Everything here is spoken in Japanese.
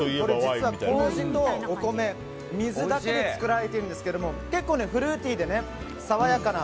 実は麹とお米、水だけで作られているんですが結構フルーティーで爽やかな。